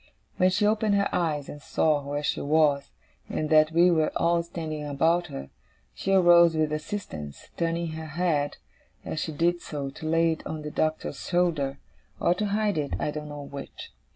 When she opened her eyes, and saw where she was, and that we were all standing about her, she arose with assistance: turning her head, as she did so, to lay it on the Doctor's shoulder or to hide it, I don't know which.